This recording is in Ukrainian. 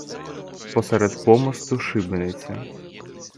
Посеред помосту — шибениця.